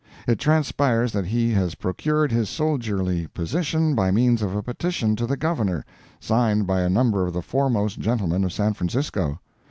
It transpires that he has procured his soldierly position by means of a petition to the Governor, signed by a number of the foremost gentlemen of San Francisco!